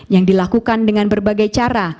yang dilakukan dengan berbagai cara